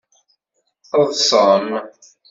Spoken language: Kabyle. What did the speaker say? Ḍsem!